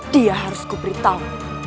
dia harus kuperitahu